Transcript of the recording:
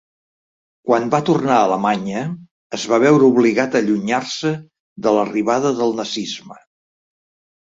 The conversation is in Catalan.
Quan va tornar a Alemanya, es va veure obligat a allunyar-se de l'arribada del nazisme.